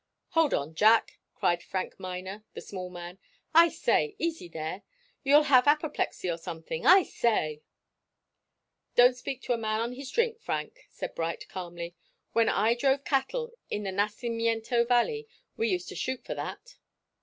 "Hold on, Jack!" cried Frank Miner, the small man. "I say easy there! You'll have apoplexy or something I say " "Don't speak to a man on his drink, Frank," said Bright, calmly. "When I drove cattle in the Nacimiento Valley we used to shoot for that."